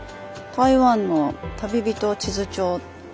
台湾の「旅人地図帳」。